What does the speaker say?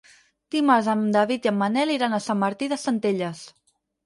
Dimarts en David i en Manel iran a Sant Martí de Centelles.